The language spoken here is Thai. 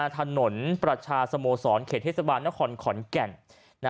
ถนนประชาสโมสรเขตเทศบาลนครขอนแก่น